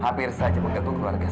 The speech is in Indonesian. hampir saja menggantung keluarga